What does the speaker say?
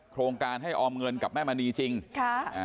โครงการให้ออมเงินกับแม่มณีจริงค่ะอ่า